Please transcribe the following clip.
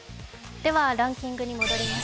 ランキングに戻ります。